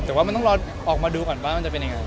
แต่ว่ามันต้องรอออกมาดูก่อนว่ามันจะเป็นยังไง